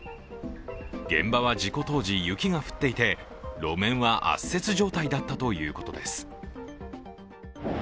現場は事故当時、雪が降っていて路面は圧雪状態だったということです。